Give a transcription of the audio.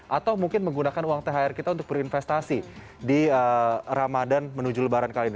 atau mungkin menggunakan uang thr kita untuk berinvestasi di ramadan menuju lebaran kali ini